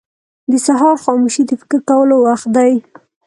• د سهار خاموشي د فکر کولو وخت دی.